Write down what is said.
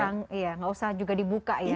nggak usah juga dibuka ya